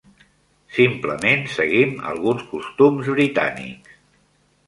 Simplement seguim alguns costums britànics.